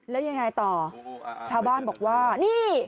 แล้วยังไงต่อชาวบ้านบอกว่านี่